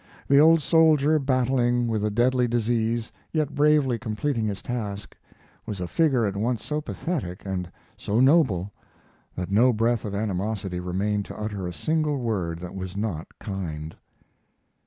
The old soldier battling with a deadly disease, yet bravely completing his task, was a figure at once so pathetic and so noble that no breath of animosity remained to utter a single word that was not kind.